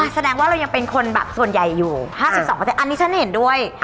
แสดงว่าเรายังเป็นคนแบบส่วนใหญ่อยู่๕๒อันนี้ฉันเห็นด้วย